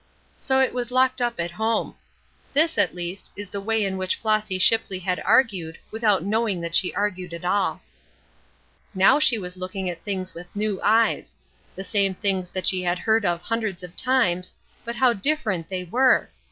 So it was locked up at home. This, at least, is the way in which Flossy Shipley had argued, without knowing that she argued at all. Now she was looking at things with new eyes; the same things that she had heard of hundreds of times, but how different they were!